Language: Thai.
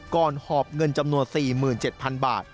หอบเงินจำนวน๔๗๐๐๐บาท